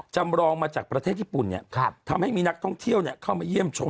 จำรองมาจากประเทศญี่ปุ่นทำให้มีนักท่องเที่ยวเข้ามาเยี่ยมชม